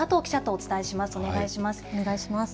お願いします。